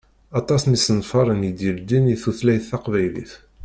Aṭas n isenfaṛen i d-yeldin i tutlayt taqbaylit.